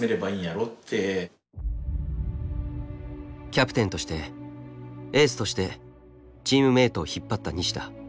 キャプテンとしてエースとしてチームメイトを引っ張った西田。